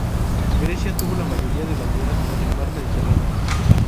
Grecia tuvo la mayoría de banderas en el mar Mediterráneo.